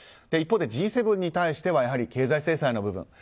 一方でＧ７に対してはやはり経済制裁の部分。